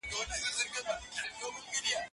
انا خپل لمونځ په خشوع سره کاوه.